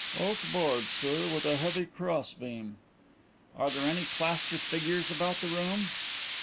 "Oak boards, sir, with a heavy cross beam." "Are there any plaster figures about the room?"